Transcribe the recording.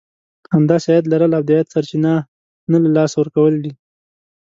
همداسې عايد لرل او د عايد سرچينه نه له لاسه ورکول دي.